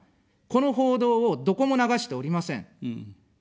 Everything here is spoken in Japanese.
この報道を、どこも流しておりません。